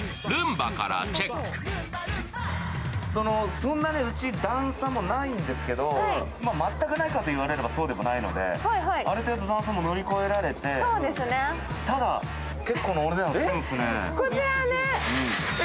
そんなうち段差もないんですけど全くないかと言われればそうでもないのである程度段差も乗り越えられて、ただ、結構なお値段するんですね。